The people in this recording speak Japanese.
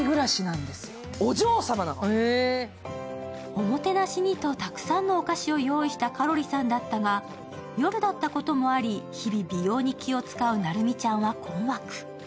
おもてなしにと、たくさんのお菓子を用意したかろりさんだったが夜だったこともあり、日々美容に気を遣う成美ちゃんは困惑。